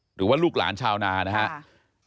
หรือว่าลูกหลานชาวนานะครับ